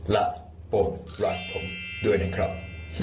และโปรดรักผมด้วยนะครับ